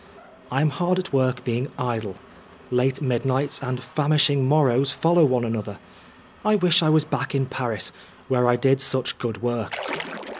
I am hard at work being idle ; late midnights and famishing morrows follow one another. I wish I was back in Paris, where I did such good work.